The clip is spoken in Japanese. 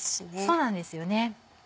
そうなんですよね。